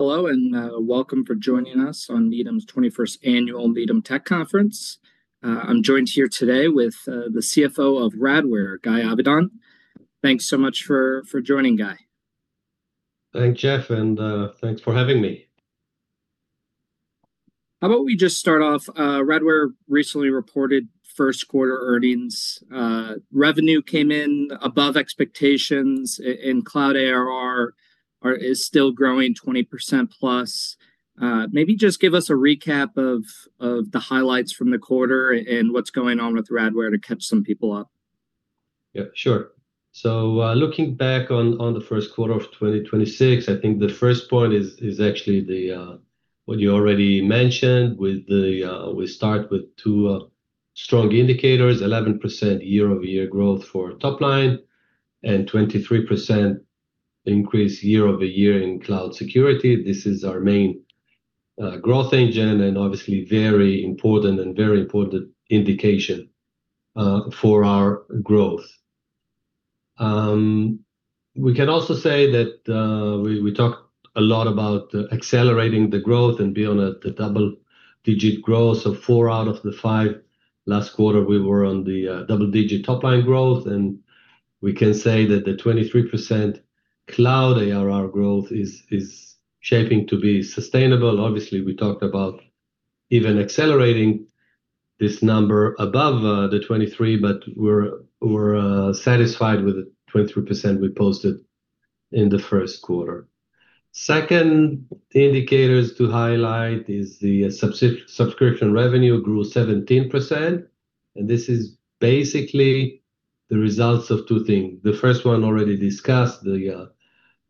Hello, and welcome for joining us on Needham's 21st annual Needham Tech Conference. I'm joined here today with the CFO of Radware, Guy Avidan. Thanks so much for joining, Guy. Thanks, Jeff, and, thanks for having me. How about we just start off, Radware recently reported first quarter earnings. Revenue came in above expectations in Cloud ARR is still growing 20% plus. Maybe just give us a recap of the highlights from the quarter and what's going on with Radware to catch some people up. Yeah, sure. looking back on the first quarter of 2026, I think the first point is actually the what you already mentioned with the we start with two strong indicators, 11% year-over-year growth for top line and 23% increase year-over-year in Cloud security. This is our main growth engine, and obviously very important indication for our growth. We can also say that we talked a lot about accelerating the growth and be on a double-digit growth. four out of the five last quarter, we were on the double-digit top line growth, and we can say that the 23% Cloud ARR growth is shaping to be sustainable. Obviously, we talked about even accelerating this number above the 23, but we're satisfied with the 23% we posted in the first quarter. Second indicators to highlight is the subscription revenue grew 17%, this is basically the results of two things. The first one already discussed, the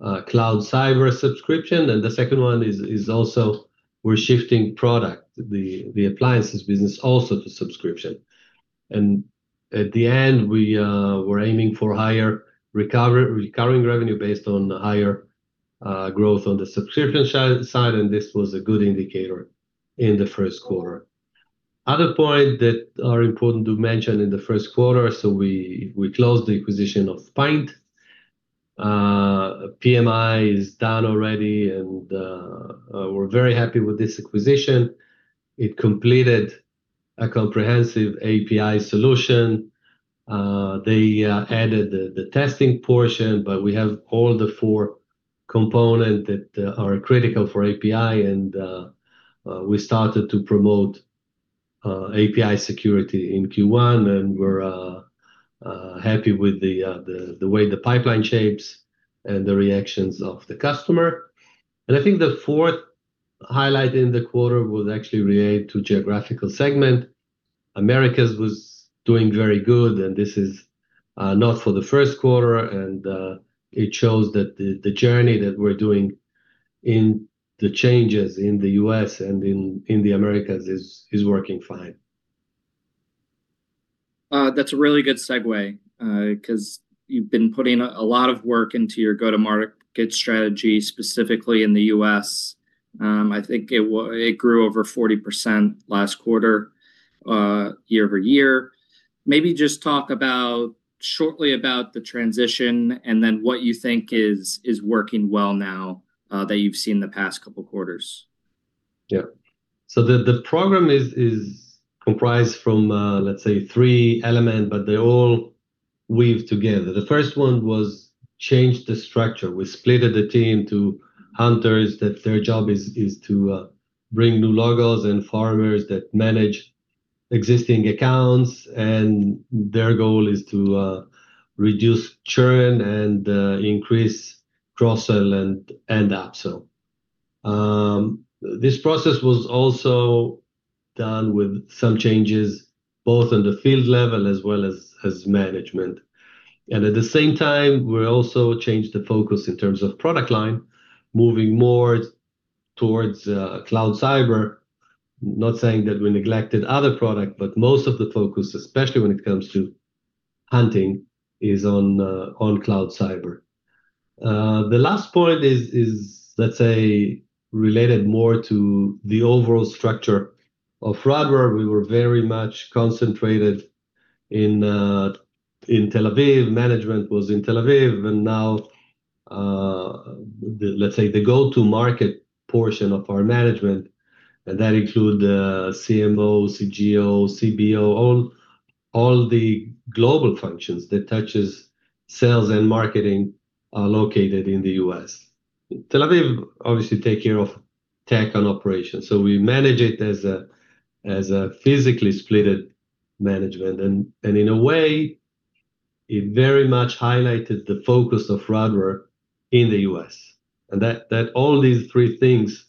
cloud cyber subscription, the second one is also we're shifting product, the appliances business also to subscription. At the end, we're aiming for higher recurring revenue based on higher growth on the subscription side, this was a good indicator in the first quarter. Other point that are important to mention in the first quarter, we closed the acquisition of Pynt. PMI is done already, we're very happy with this acquisition. It completed a comprehensive API solution. They added the testing portion, but we have all the four components that are critical for API, and we started to promote API security in Q1, and we're happy with the way the pipeline shapes and the reactions of the customer. I think the fourth highlight in the quarter would actually relate to geographical segment. Americas was doing very good, and this is not for the first quarter, and it shows that the journey that we're doing in the changes in the U.S. and in the Americas is working fine. That's a really good segue, 'cause you've been putting a lot of work into your go-to-market strategy, specifically in the U.S. I think it grew over 40% last quarter, year-over-year. Maybe just talk shortly about the transition and then what you think is working well now that you've seen the past couple quarters. The program is comprised from, let's say three element, but they all weave together. The first one was change the structure. We splitted the team to hunters, that their job is to bring new logos and farmers that manage existing accounts, and their goal is to reduce churn and increase cross-sell and upsell. This process was also done with some changes both on the field level as well as management. At the same time, we also changed the focus in terms of product line, moving more towards cloud cyber. Not saying that we neglected other product, most of the focus, especially when it comes to hunting, is on cloud cyber. The last point is, let's say, related more to the overall structure of Radware. We were very much concentrated in Tel Aviv. Management was in Tel Aviv and now, the, let's say, the go-to-market portion of our management, and that include, CMO, CGO, CBO, all the global functions that touches sales and marketing are located in the U.S. Tel Aviv obviously take care of tech and operations. We manage it as a physically splitted management. In a way, it very much highlighted the focus of Radware in the U.S. That all these three things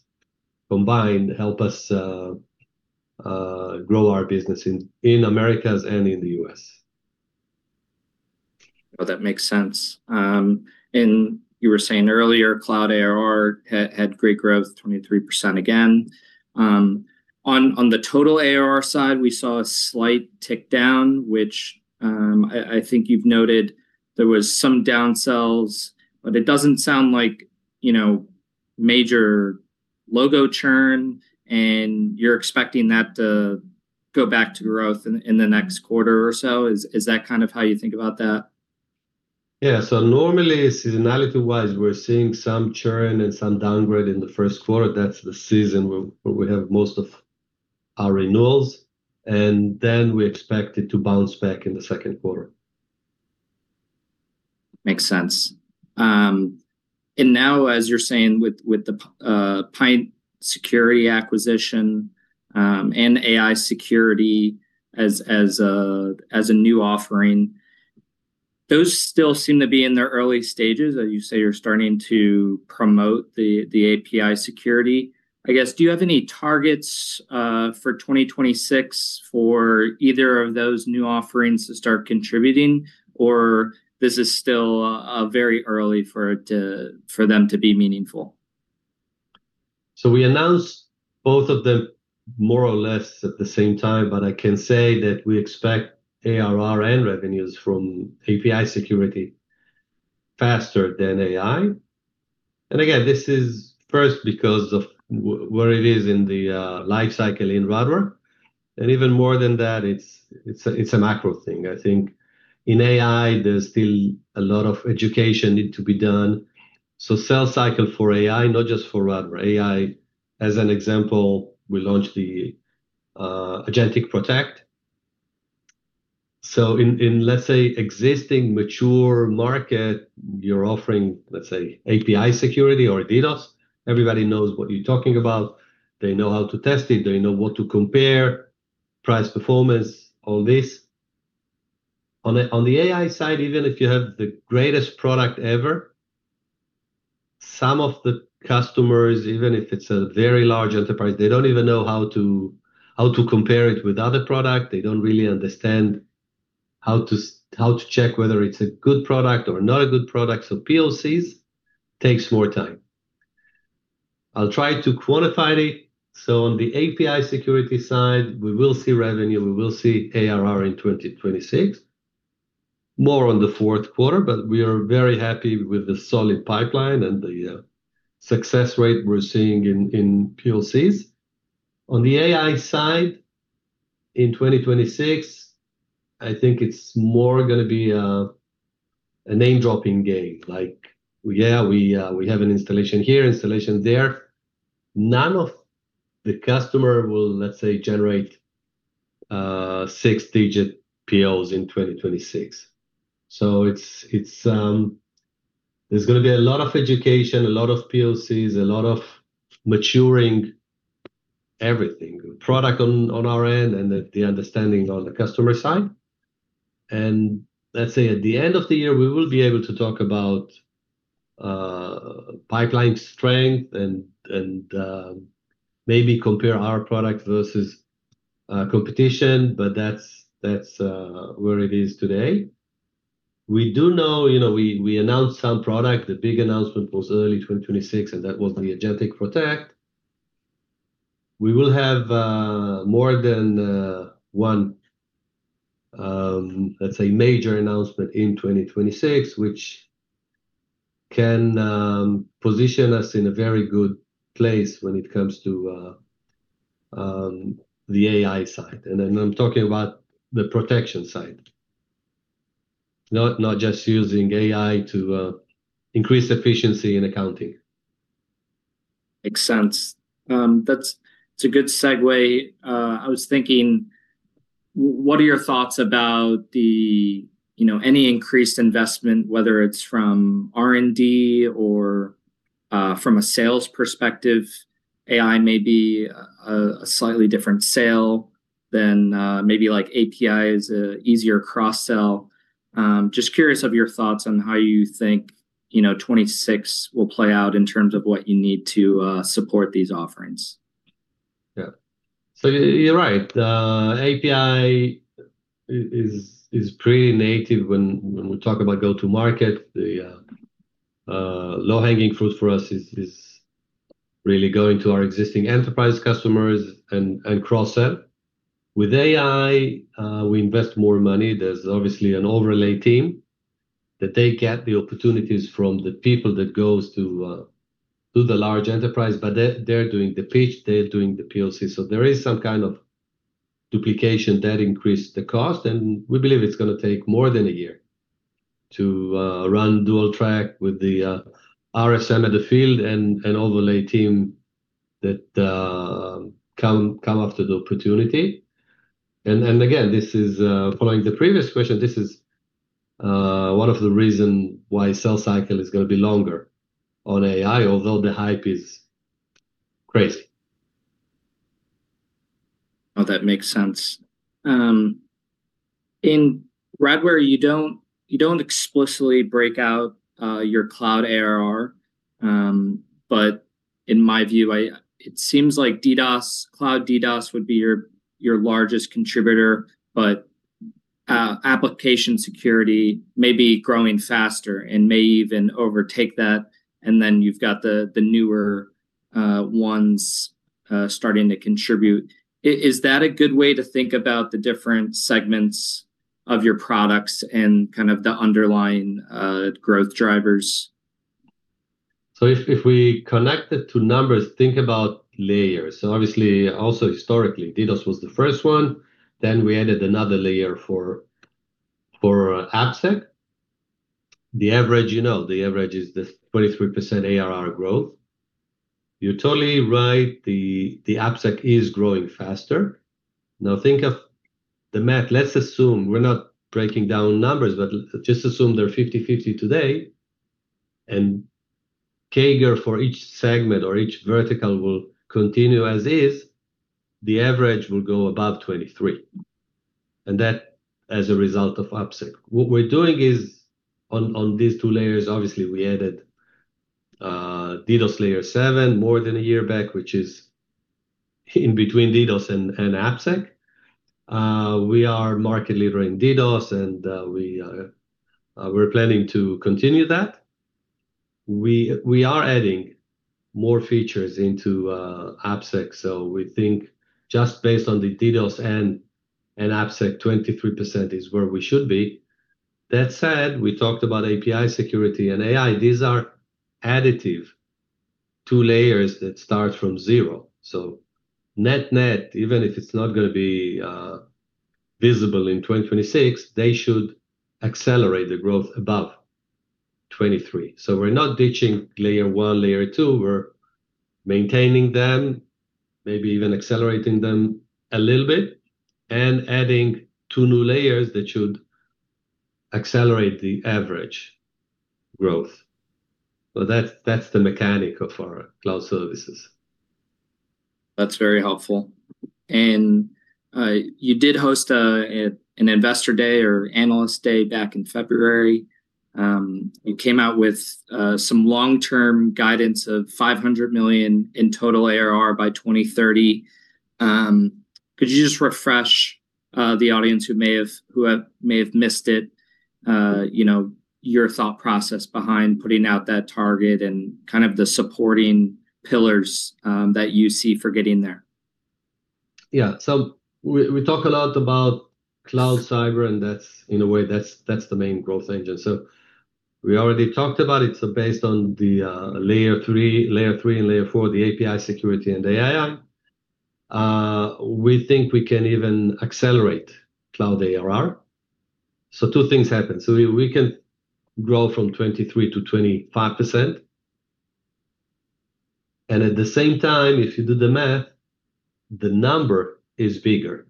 combined help us grow our business in Americas and in the U.S. Well, that makes sense. You were saying earlier, Cloud ARR had great growth, 23% again. On the total ARR side, we saw a slight tick down, which I think you've noted there was some down sells, but it doesn't sound like, you know, major logo churn, and you're expecting that to go back to growth in the next quarter or so. Is that kind of how you think about that? Normally seasonality-wise, we're seeing some churn and some downgrade in the first quarter. That's the season where we have most of our renewals, and then we expect it to bounce back in the second quarter. Makes sense. Now as you're saying with the Pynt security acquisition, and AI security as a new offering, those still seem to be in their early stages, as you say you're starting to promote the API security. I guess, do you have any targets for 2026 for either of those new offerings to start contributing, or this is still very early for it to, for them to be meaningful? We announced both of them more or less at the same time, but I can say that we expect ARR and revenues from API security faster than AI. Again, this is first because of where it is in the life cycle in Radware. Even more than that, it's a, it's a macro thing. I think in AI there's still a lot of education need to be done. Sales cycle for AI, not just for Radware. AI, as an example, we launched the Agentic Protect. In let's say, existing mature market, you're offering, let's say, API security or DDoS, everybody knows what you're talking about. They know how to test it, they know what to compare, price, performance, all this. On the AI side, even if you have the greatest product ever, some of the customers, even if it's a very large enterprise, they don't even know how to compare it with other product. They don't really understand how to check whether it's a good product or not a good product. POCs takes more time. I'll try to quantify it. On the API security side, we will see revenue, we will see ARR in 2026. More on the fourth quarter. We are very happy with the solid pipeline and the success rate we're seeing in POCs. On the AI side, in 2026, I think it's more gonna be a name-dropping game. Like, yeah, we have an installation here, installation there. None of the customer will, let's say, generate six-digit POs in 2026. There's gonna be a lot of education, a lot of POCs, a lot of maturing everything. Product on our end and the understanding on the customer side. Let's say at the end of the year, we will be able to talk about pipeline strength and maybe compare our product versus competition, but that's where it is today. We do know, you know, we announced some product. The big announcement was early 2026, and that was the Agentic Protect. We will have more than one, let's say, major announcement in 2026, which can position us in a very good place when it comes to the AI side. I'm talking about the protection side. Not just using AI to increase efficiency in accounting. Makes sense. It's a good segue. I was thinking, what are your thoughts about the, you know, any increased investment, whether it's from R&D or from a sales perspective? AI may be a slightly different sale than maybe like API is a easier cross-sell. Just curious of your thoughts on how you think, you know, 2026 will play out in terms of what you need to support these offerings. Yeah. You're right. API is pretty native when we talk about go-to-market. The low-hanging fruit for us is really going to our existing enterprise customers and cross-sell. With AI, we invest more money. There's obviously an overlay team that they get the opportunities from the people that goes to the large enterprise, but they're doing the pitch, they're doing the POC. There is some kind of duplication that increase the cost, and we believe it's gonna take more than a year to run dual track with the RSM in the field and overlay team that come after the opportunity. Again, this is following the previous question, this is one of the reason why sales cycle is gonna be longer on AI, although the hype is crazy. That makes sense. In Radware, you don't, you don't explicitly break out, your cloud ARR, in my view, it seems like DDoS, cloud DDoS would be your largest contributor. Application security may be growing faster and may even overtake that, then you've got the newer, ones, starting to contribute. Is that a good way to think about the different segments of your products and kind of the underlying, growth drivers? If we connect the two numbers, think about layers. Obviously, also historically, DDoS was the first one, then we added another layer for AppSec. The average, you know, the average is the 23% ARR growth. You're totally right, the AppSec is growing faster. Think of the math. Let's assume, we're not breaking down numbers, but just assume they're 50-50 today, and CAGR for each segment or each vertical will continue as is, the average will go above 23, and that as a result of AppSec. What we're doing is on these two layers, obviously we added DDoS layer seven more than a year back, which is in between DDoS and AppSec. We are market leader in DDoS, and we're planning to continue that. We are adding more features into AppSec. We think just based on the DDoS and AppSec, 23% is where we should be. That said, we talked about API security and AI. These are additive two layers that start from zero. Net-net, even if it's not gonna be visible in 2026, they should accelerate the growth above 23. We're not ditching layer one, layer two, we're maintaining them, maybe even accelerating them a little bit, and adding two new layers that should accelerate the average growth. That's, that's the mechanic of our cloud services. That's very helpful. you did host an investor day or analyst day back in February. you came out with some long-term guidance of $500 million in total ARR by 2030. could you just refresh the audience who may have missed it, you know, your thought process behind putting out that target and kind of the supporting pillars that you see for getting there? Yeah. We talk a lot about cloud cyber, and that's, in a way, that's the main growth engine. We already talked about it. Based on the layer three and layer four, the API security and AI, we think we can even accelerate Cloud ARR. Two things happen. We can grow from 23%-25%. At the same time, if you do the math, the number is bigger.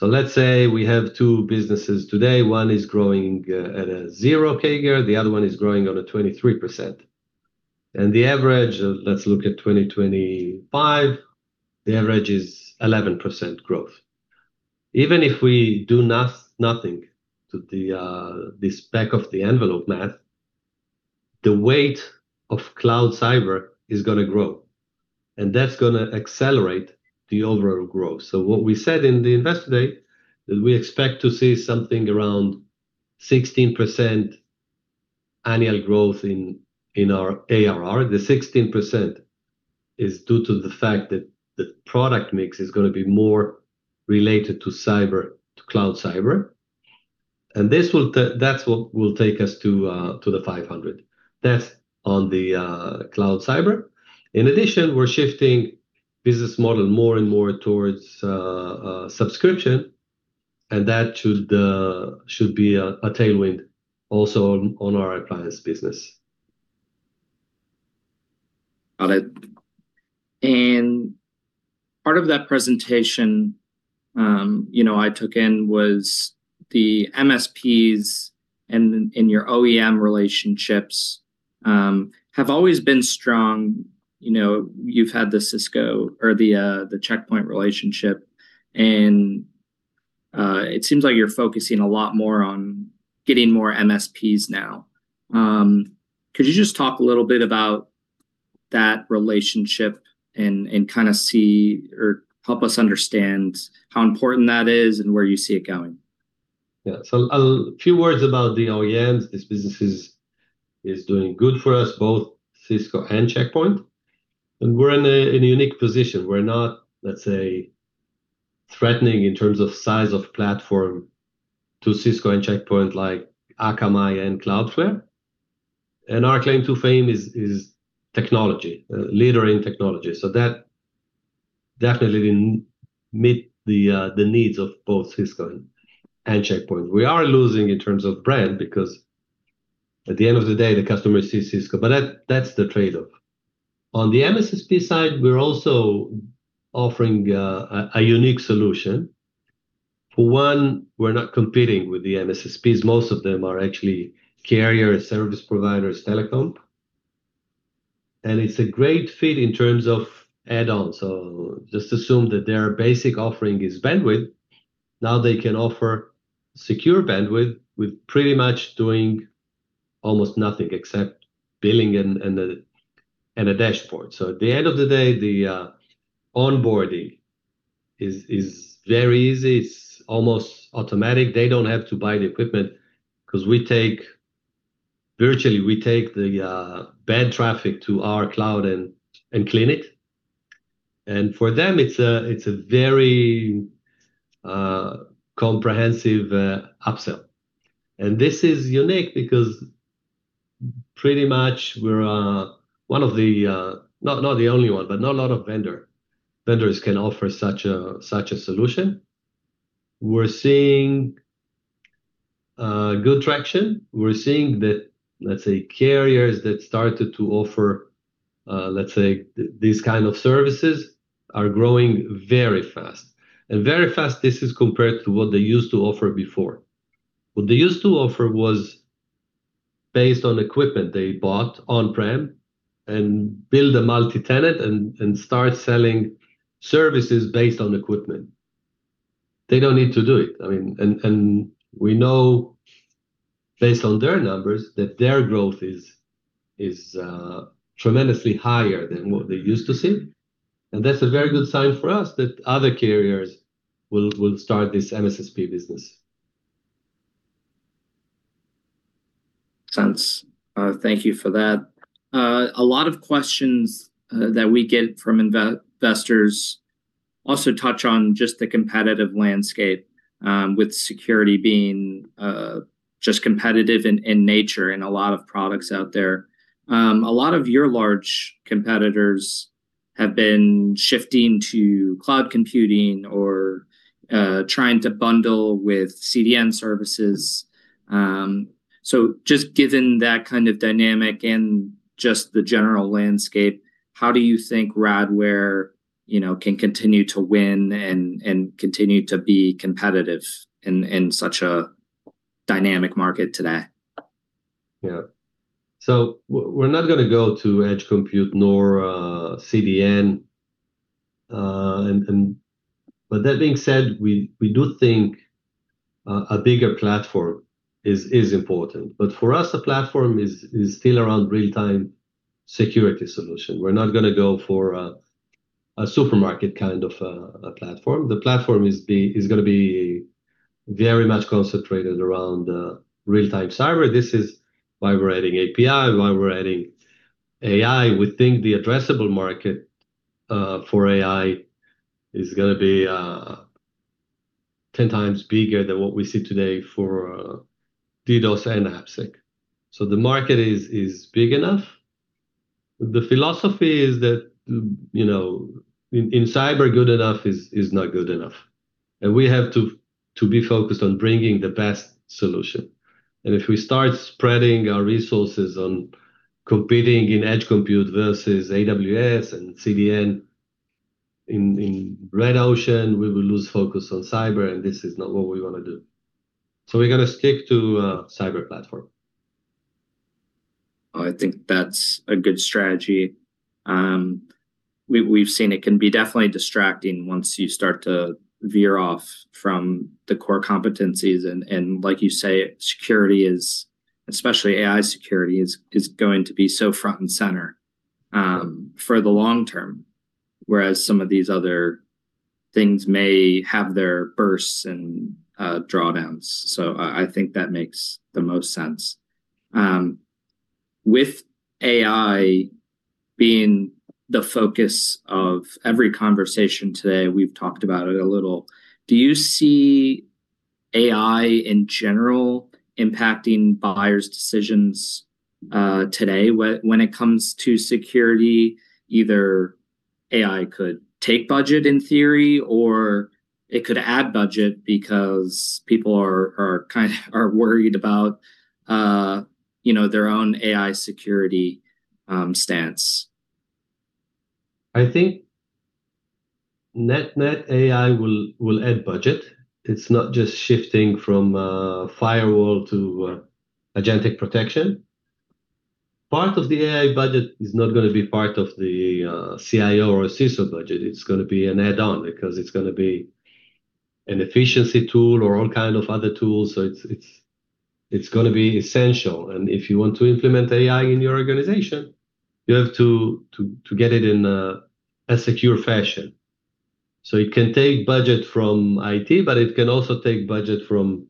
Let's say we have two businesses today. One is growing at a zero CAGR, the other one is growing on a 23%. The average, let's look at 2025, the average is 11% growth. Even if we do nothing to this back of the envelope math, the weight of cloud cyber is gonna grow, and that's gonna accelerate the overall growth. What we said in the Investor Day, that we expect to see something around 16% annual growth in our ARR. The 16% is due to the fact that the product mix is gonna be more related to cyber, to cloud cyber. That's what will take us to $500. That's on the cloud cyber. In addition, we're shifting business model more and more towards subscription, and that should be a tailwind also on our appliance business. Got it. Part of that presentation, you know, I took in was the MSPs and your OEM relationships have always been strong. You know, you've had the Cisco or the Check Point relationship. It seems like you're focusing a lot more on getting more MSPs now. Could you just talk a little bit about that relationship and kinda see or help us understand how important that is and where you see it going? Yeah. A few words about the OEMs. This business is doing good for us, both Cisco and Check Point. We're in a unique position. We're not, let's say, threatening in terms of size of platform to Cisco and Check Point like Akamai and Cloudflare. Our claim to fame is technology, leader in technology. That definitely didn't meet the needs of both Cisco and Check Point. We are losing in terms of brand because at the end of the day, the customer sees Cisco, but that's the trade-off. On the MSSP side, we're also offering a unique solution. For one, we're not competing with the MSSPs. Most of them are actually carrier service providers telecom. It's a great fit in terms of add-ons. Just assume that their basic offering is bandwidth. Now they can offer secure bandwidth with pretty much doing almost nothing except billing and a dashboard. At the end of the day, the onboarding is very easy. It's almost automatic. They don't have to buy the equipment 'cause virtually, we take the bad traffic to our cloud and clean it. For them, it's a very comprehensive upsell. This is unique because pretty much we're one of the not the only one, but not a lot of vendors can offer such a solution. We're seeing good traction. We're seeing the, let's say, carriers that started to offer, let's say these kind of services are growing very fast. Very fast, this is compared to what they used to offer before. What they used to offer was based on equipment they bought on-prem and build a multi-tenant and start selling services based on equipment. They don't need to do it, I mean. We know based on their numbers that their growth is tremendously higher than what they used to see. That's a very good sign for us that other carriers will start this MSSP business. Sense. Thank you for that. A lot of questions that we get from investors also touch on just the competitive landscape, with security being just competitive in nature in a lot of products out there. A lot of your large competitors have been shifting to cloud computing or trying to bundle with CDN services. Just given that kind of dynamic and just the general landscape, how do you think Radware, you know, can continue to win and continue to be competitive in such a dynamic market today? Yeah. We're not gonna go to edge compute nor CDN. That being said, we do think a bigger platform is important. For us, the platform is still around real-time security solution. We're not gonna go for a supermarket kind of a platform. The platform is gonna be very much concentrated around real-time cyber. This is why we're adding API, why we're adding AI. We think the addressable market for AI is gonna be 10x bigger than what we see today for DDoS and AppSec. The market is big enough. The philosophy is that, you know, in cyber, good enough is not good enough, and we have to be focused on bringing the best solution. If we start spreading our resources on competing in edge compute versus AWS and CDN in red ocean, we will lose focus on cyber, and this is not what we wanna do. We're gonna stick to a cyber platform. I think that's a good strategy. We've seen it can be definitely distracting once you start to veer off from the core competencies and, like you say, security, especially AI security, is going to be so front and center for the long term, whereas some of these other things may have their bursts and drawdowns. I think that makes the most sense. With AI being the focus of every conversation today, we've talked about it a little, do you see AI in general impacting buyers' decisions today when it comes to security? Either AI could take budget in theory or it could add budget because people are kind of worried about, you know, their own AI security stance. I think net AI will add budget. It's not just shifting from firewall to agentic protection. Part of the AI budget is not gonna be part of the CIO or CISO budget. It's gonna be an add-on because it's gonna be an efficiency tool or all kind of other tools, so it's gonna be essential. If you want to implement AI in your organization, you have to get it in a secure fashion. It can take budget from IT, but it can also take budget from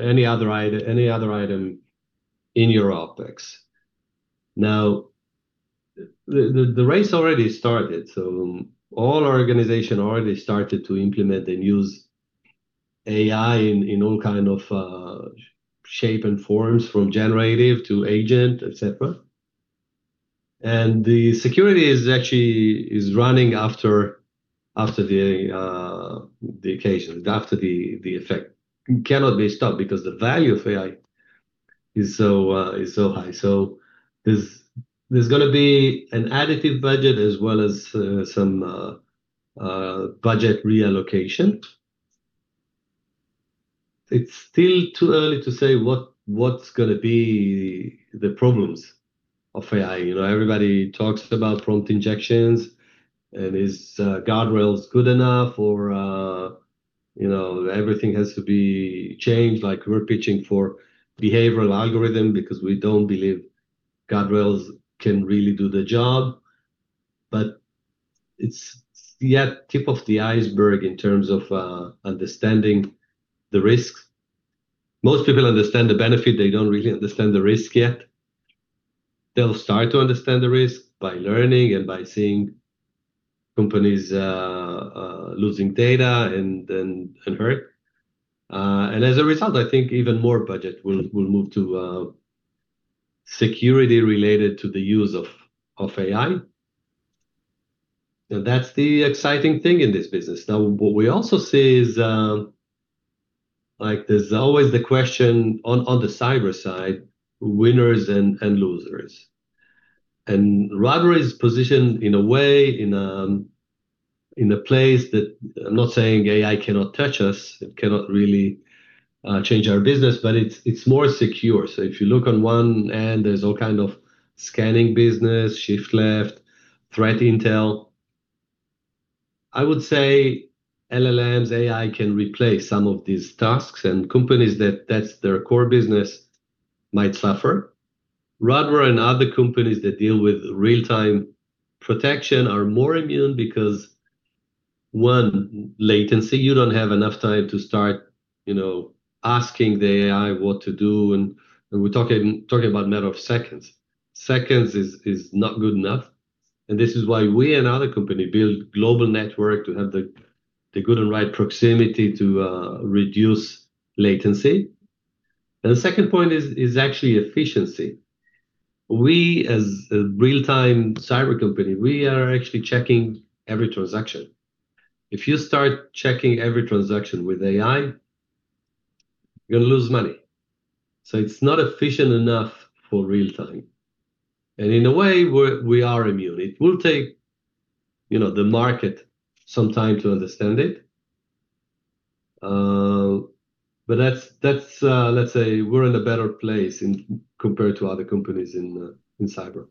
any other item in your OpEx. The race already started, all organization already started to implement and use AI in all kind of shape and forms, from generative to agent, et cetera. The security is actually running after the occasion, after the effect. It cannot be stopped because the value of AI is so high. There's gonna be an additive budget as well as some budget reallocation. It's still too early to say what's gonna be the problems of AI. You know, everybody talks about prompt injections and is guardrails good enough or, you know, everything has to be changed. Like we're pitching for behavioral algorithm because we don't believe guardrails can really do the job. It's yet tip of the iceberg in terms of understanding the risks. Most people understand the benefit, they don't really understand the risk yet. They'll start to understand the risk by learning and by seeing companies losing data and hurt. As a result, I think even more budget will move to security related to the use of AI. That's the exciting thing in this business. What we also see is like there's always the question on the cyber side, winners and losers. Radware's position in a way, in a place that I'm not saying AI cannot touch us, it cannot really change our business, but it's more secure. If you look on one end, there's all kind of scanning business, shift left, threat intel. I would say LLMs, AI can replace some of these tasks, and companies that that's their core business might suffer. Radware and other companies that deal with real-time protection are more immune because, one, latency, you don't have enough time to start, you know, asking the AI what to do, and we're talking about matter of seconds. Seconds is not good enough, and this is why we and other company build global network to have the good and right proximity to reduce latency. The second point is actually efficiency. We as a real-time cyber company, we are actually checking every transaction. If you start checking every transaction with AI, you're gonna lose money. It's not efficient enough for real-time. In a way, we are immune. It will take, you know, the market some time to understand it. That's, let's say we're in a better place compared to other companies in cyber.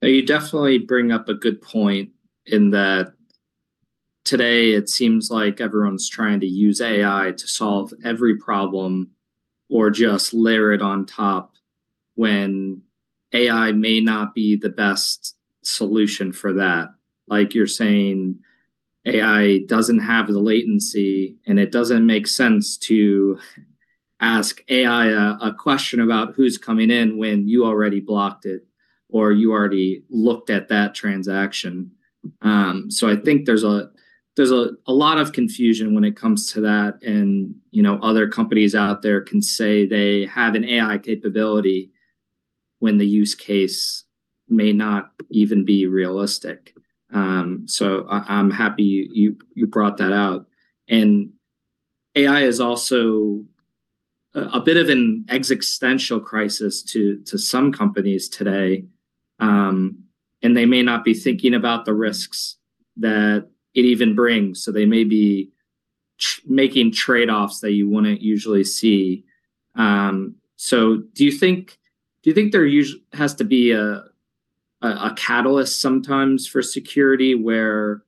You definitely bring up a good point in that today it seems like everyone's trying to use AI to solve every problem or just layer it on top when AI may not be the best solution for that. Like you're saying, AI doesn't have the latency, and it doesn't make sense to ask AI a question about who's coming in when you already blocked it or you already looked at that transaction. I think there's a lot of confusion when it comes to that and, you know, other companies out there can say they have an AI capability when the use case may not even be realistic. I'm happy you brought that out. AI is also a bit of an existential crisis to some companies today, and they may not be thinking about the risks that it even brings. They may be making trade-offs that you wouldn't usually see. Do you think there has to be a catalyst sometimes for security where,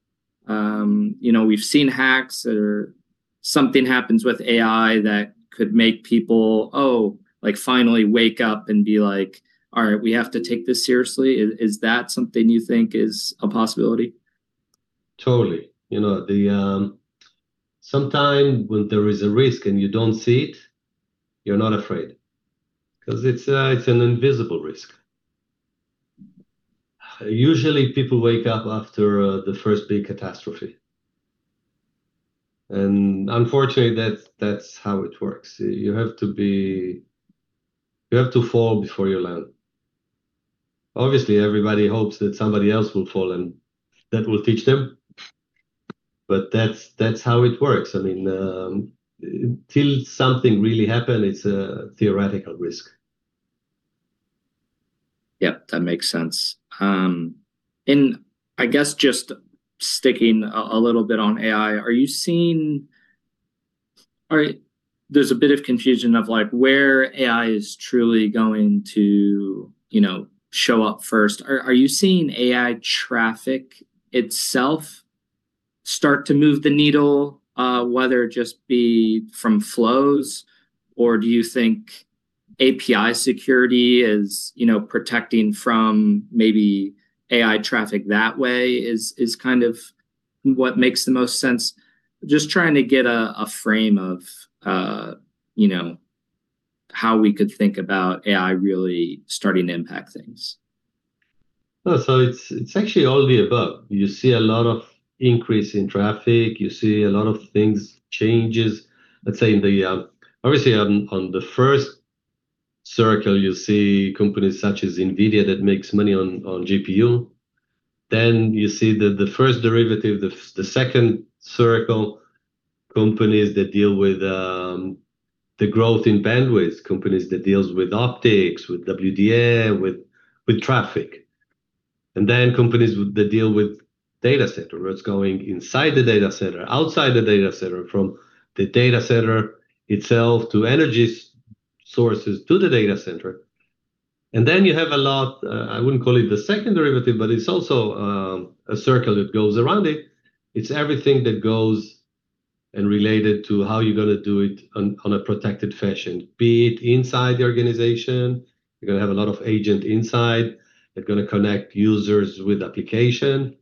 you know, we've seen hacks or something happens with AI that could make people like finally wake up and be like, "All right, we have to take this seriously." Is that something you think is a possibility? Totally. You know, sometimes when there is a risk and you don't see it, you're not afraid, 'cause it's an invisible risk. Usually, people wake up after the first big catastrophe. Unfortunately, that's how it works. You have to fall before you learn. Obviously, everybody hopes that somebody else will fall and that will teach them, but that's how it works. I mean, until something really happens, it's a theoretical risk. That makes sense. I guess just sticking a little bit on AI, there's a bit of confusion of like where AI is truly going to, you know, show up first. Are you seeing AI traffic itself start to move the needle, whether it just be from flows? Do you think API security is, you know, protecting from maybe AI traffic that way is kind of what makes the most sense? Just trying to get a frame of, you know, how we could think about AI really starting to impact things. Oh, it's actually all the above. You see a lot of increase in traffic, you see a lot of things changes. Let's say in the, obviously on the first circle, you see companies such as NVIDIA that makes money on GPU. You see the first derivative, the second circle, companies that deal with the growth in bandwidth, companies that deals with optics, with WDM, with traffic. Companies that deal with data center, what's going inside the data center, outside the data center, from the data center itself to energy sources to the data center. You have a lot, I wouldn't call it the second derivative, but it's also a circle that goes around it. It's everything that goes and related to how you're gonna do it on a protected fashion. Be it inside the organization, you're gonna have a lot of agent inside. They're gonna connect users with application.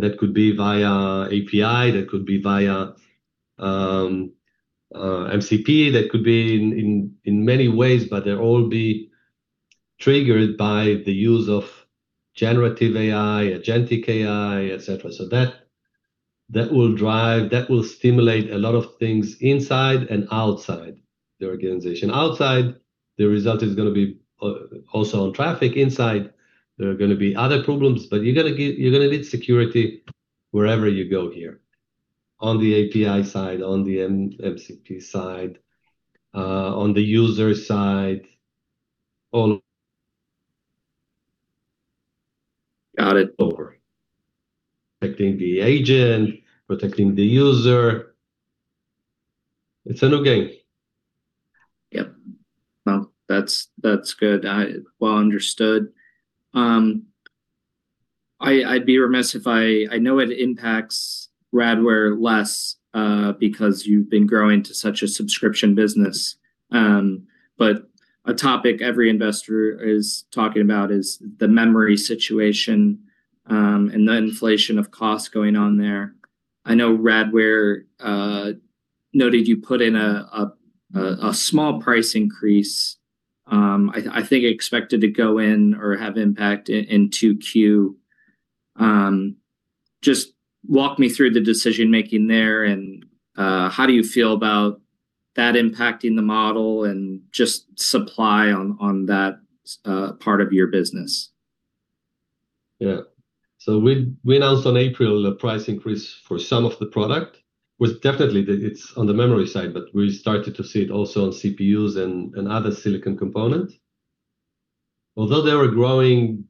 That could be via API, that could be via MCP, that could be in many ways, but they'll all be triggered by the use of generative AI, agentic AI, et cetera. That will drive, that will stimulate a lot of things inside and outside the organization. Outside, the result is gonna be also on traffic. Inside, there are gonna be other problems, but you're gonna need security wherever you go here, on the API side, on the MCP side, on the user side, all. Got it. Over. Protecting the agent, protecting the user. It's a new game. Yep. Well, that's good. I well understood. I'd be remiss if I know it impacts Radware less because you've been growing to such a subscription business. A topic every investor is talking about is the memory situation and the inflation of costs going on there. I know Radware noted you put in a small price increase, I think expected to go in or have impact in 2Q. Just walk me through the decision-making there, how do you feel about that impacting the model and just supply on that part of your business? Yeah. We announced on April a price increase for some of the product, was definitely it's on the memory side, but we started to see it also on CPUs and other silicon component. Although they were growing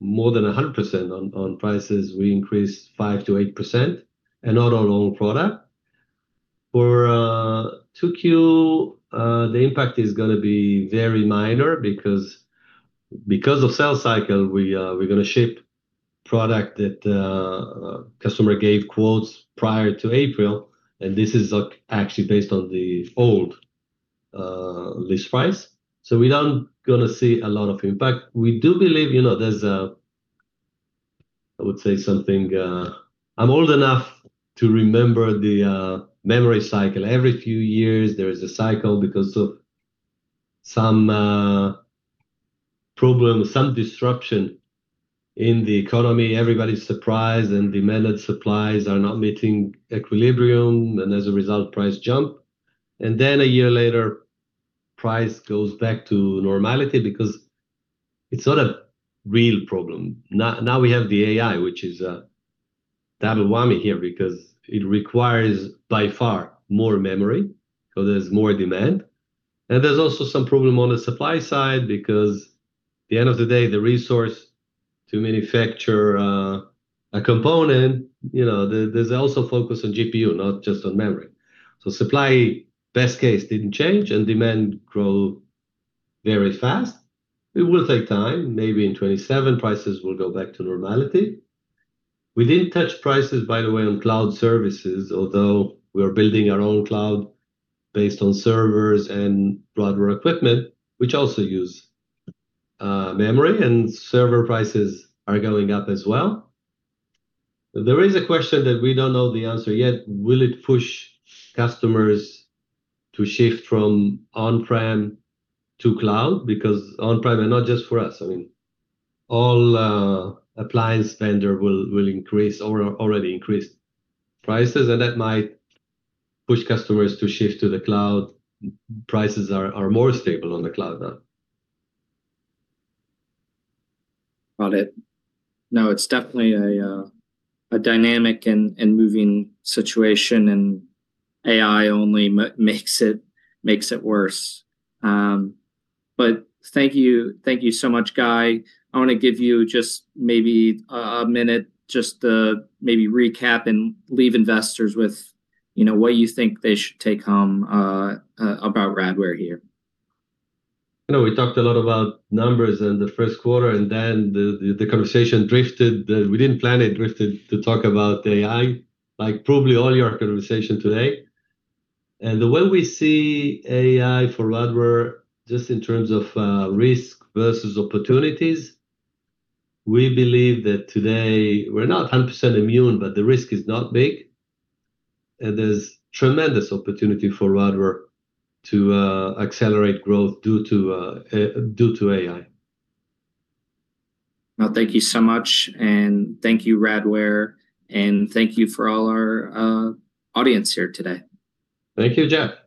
more than 100% on prices, we increased 5%-8% and not on all product. For 2Q, the impact is gonna be very minor because of sales cycle, we're gonna ship product that customer gave quotes prior to April, and this is actually based on the old list price. We don't gonna see a lot of impact. We do believe, you know, there's I would say something I'm old enough to remember the memory cycle. Every few years there is a cycle because of some problem, some disruption in the economy, everybody's surprised, demand and supplies are not meeting equilibrium, as a result, price jump. Then a year later, price goes back to normality because it's not a real problem. Now, now we have the AI, which is a double whammy here because it requires by far more memory 'cause there's more demand. There's also some problem on the supply side because at the end of the day, the resource to manufacture a component, you know, there's also focus on GPU, not just on memory. Supply, best case, didn't change, demand grow very fast. It will take time. Maybe in 2027 prices will go back to normality. We didn't touch prices, by the way, on cloud services, although we are building our own cloud based on servers and broader equipment, which also use memory and server prices are going up as well. There is a question that we don't know the answer yet, will it push customers to shift from on-prem to cloud? On-prem, and not just for us, I mean, all appliance vendor will increase or already increased prices. That might push customers to shift to the cloud. Prices are more stable on the cloud now. Got it. No, it's definitely a dynamic and moving situation, and AI only makes it worse. Thank you so much, Guy Avidan. I wanna give you just maybe a minute just to maybe recap and leave investors with, you know, what you think they should take home about Radware here. You know, we talked a lot about numbers in the first quarter, then the conversation drifted. We didn't plan it, drifted to talk about AI, like probably all your conversation today. The way we see AI for Radware, just in terms of, risk versus opportunities, we believe that today we're not 100% immune, but the risk is not big. There's tremendous opportunity for Radware to, accelerate growth due to AI. Well, thank you so much, and thank you, Radware, and thank you for all our audience here today. Thank you, Jeff.